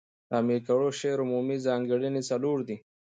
د امیر کروړ د شعر عمومي ځانګړني څلور دي.